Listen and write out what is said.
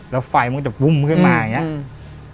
แล้วไฟมันก็จะวุ้มขึ้นมาอย่างนี้